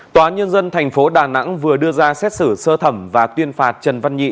tòa nhân dân tp đà nẵng vừa đưa ra xét xử sơ thẩm và tuyên phạt trần văn nhị